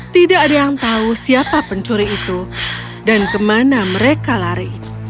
tidak ada yang tahu siapa pencuri itu dan kemana mereka lari